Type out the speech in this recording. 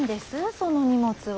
その荷物は。